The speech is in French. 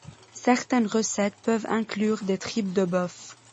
Certaines recettes peuvent inclure des tripes de bœuf.